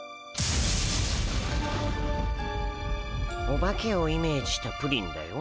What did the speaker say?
オバケをイメージしたプリンだよ。